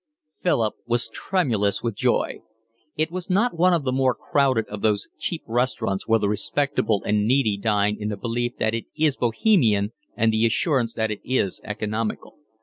Philip was tremulous with joy. It was not one of the more crowded of those cheap restaurants where the respectable and needy dine in the belief that it is bohemian and the assurance that it is economical.